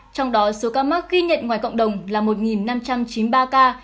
trong đó số ca mắc ghi nhận ngoài cộng đồng là một năm trăm chín mươi ba ca